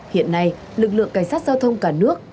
hiện nay lực lượng cảnh sát giao thông cả nước